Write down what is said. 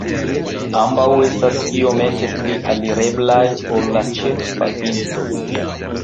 Ambaŭ estas iomete pli alireblaj ol la ĉefa pinto.